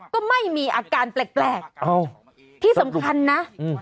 ก็ไม่มีอาการแปลกแปลกอ้าวที่สำคัญนะอืม